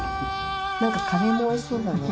何かカレーもおいしそうだね。